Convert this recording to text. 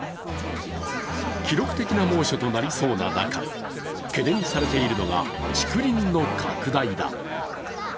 記録的な猛暑となりそうな中懸念されているのが竹林の拡大だ。